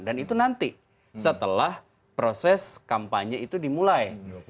dan itu nanti setelah proses kampanye itu dimulai